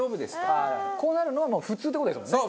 こうなるのはもう普通って事ですもんね。